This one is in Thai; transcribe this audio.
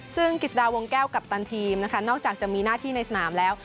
ซึ่งกิจดาวงแก้วกัปตันทีมนะคะนอกจากจะมีหน้าที่ในสนามแล้ว